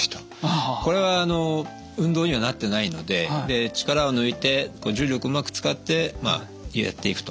これはあの運動にはなってないので力を抜いて重力うまく使ってまあやっていくと。